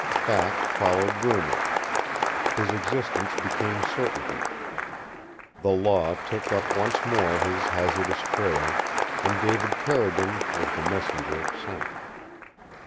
Fact followed rumor. His existence became certainty. The Law took up once more his hazardous trail, and David Carrigan was the messenger it sent.